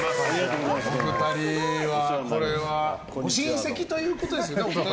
お二人はご親戚ということですね。